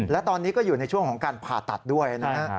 และตอนนี้ก็อยู่ในช่วงของการผ่าตัดด้วยนะฮะ